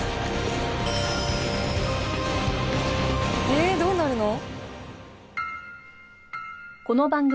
ええどうなるの？